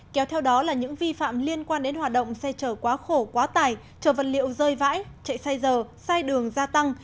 kéo theo đó là những vi phạm liên quan đến hoạt động xe chở quá khổ quá tải chở vật liệu rơi vãi chạy sai giờ sai đường gia tăng